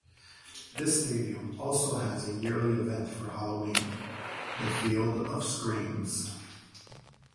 This stadium also has a yearly event for Halloween, the "Field of Screams".